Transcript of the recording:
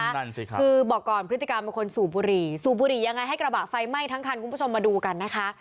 นั่นสิครับคือบอกก่อนพฤติกรรมเป็นคนสูบบุหรีสูบบุหรี่ยังไงให้กระบะไฟไหม้ทั้งคันคุณผู้ชมมาดูกันนะคะ